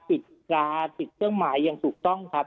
ติดยาติดเครื่องหมายอย่างถูกต้องครับ